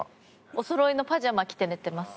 おそろいのパジャマ着て寝てます。